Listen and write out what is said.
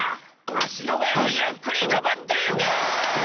あしのうえをゆっくりのぼってゆけ！